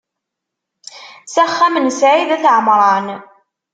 S axxam n Sɛid At Ɛemran.